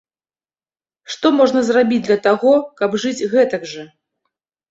Што можна зрабіць для таго, каб жыць гэтак жа?